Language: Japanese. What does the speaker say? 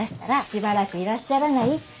しばらくいらっしゃらないって。